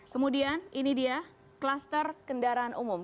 kemudian ini dia kluster kendaraan umum